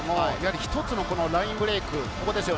一つのラインブレイク。